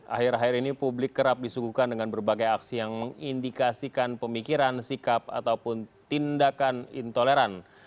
akhir akhir ini publik kerap disuguhkan dengan berbagai aksi yang mengindikasikan pemikiran sikap ataupun tindakan intoleran